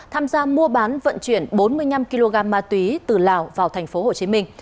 tham gia mua bán vận chuyển bốn mươi năm kg ma túy từ lào vào tp hcm